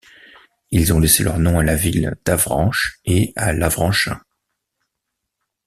Ils ont laissé leur nom à la ville d’Avranches et à l'Avranchin.